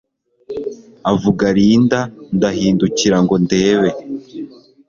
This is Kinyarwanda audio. avuga Linda ndahindukira ngo ndebe